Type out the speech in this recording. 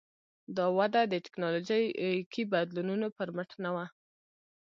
دا وده د ټکنالوژیکي بدلونونو پر مټ نه وه.